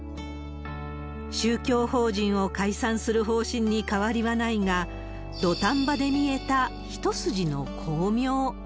宗教法人を解散する方針に変わりはないが、土壇場で見えた一筋の光明。